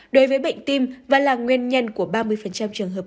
đối với bệnh tim và là nguyên nhân của ba mươi trường hợp